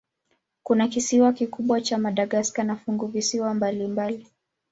Kuna kisiwa kikubwa cha Madagaska na funguvisiwa mbalimbali.